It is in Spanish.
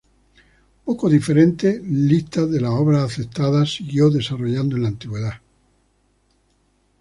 Poco diferentes listas de las obras aceptadas siguió desarrollando en la antigüedad.